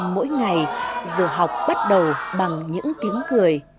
mỗi ngày giờ học bắt đầu bằng những tiếng cười